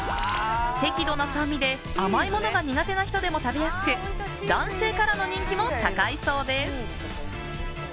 適度な酸味で甘いものが苦手な人でも食べやすく男性からの人気も高いそうです。